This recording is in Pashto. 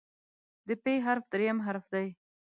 د "پ" حرف دریم حرف دی.